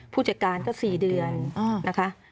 ผู้จัดการก็๔เดือนนะคะ